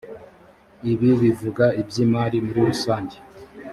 ibi bivuga iby’imari muri rusange